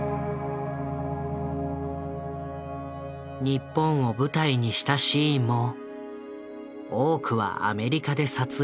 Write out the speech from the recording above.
日本を舞台にしたシーンも多くはアメリカで撮影されていた。